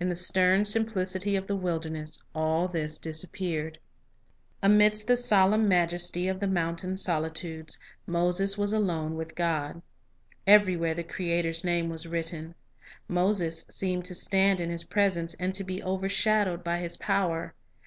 In the stern simplicity of the wilderness, all this disappeared. Amidst the solemn majesty of the mountain soli .\ionc tudes, Moses was alone with God. Everywhere the Creator's name was written. Moses seemed to stand in His presence, and to be overshadowed by His power.